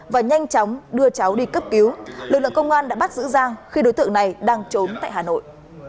và nhanh chóng đưa cháu đi cấp cứu lực lượng công an đã bắt giữ giang khi đối tượng này đang trốn tại hà nội